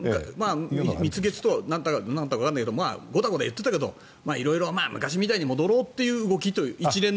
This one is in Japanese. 蜜月とかなんかわからないけどごたごた言ってたけど色々、昔みたいに戻ろうという一連の。